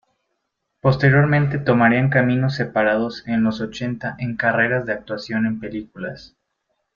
Posteriormente tomarían caminos separados en los ochenta en carreras de actuación en películas.